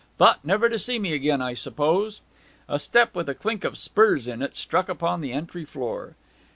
Thought never to see me again, I suppose?' A step with a clink of spurs in it struck upon the entry floor.